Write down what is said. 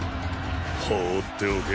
放っておけ。